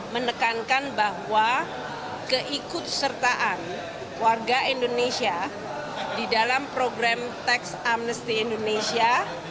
menekankan bahwa keikut sertaan warga indonesia di dalam program tax amnesty indonesia